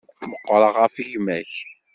Meqqṛeɣ ɣef gma-k.